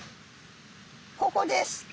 ここです。